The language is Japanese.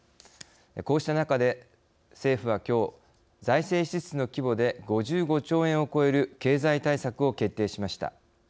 こうした中で政府はきょう財政支出の規模で５５兆円を超える経済対策を決定しました。